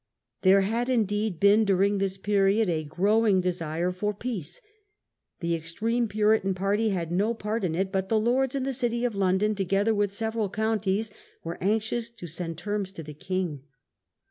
There had indeed been during this period a growing desire for peace. The extreme Puritan party had no part in it, but the Lords and the City of London, Treaty of together with several counties, were anxious to Oxford, send terms to the king.